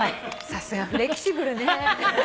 さすがフレキシブルね。